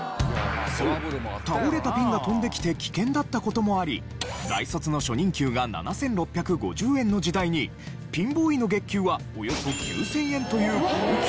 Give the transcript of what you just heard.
そう倒れたピンが飛んできて危険だった事もあり大卒の初任給が７６５０円の時代にピンボーイの月給はおよそ９０００円という高給職。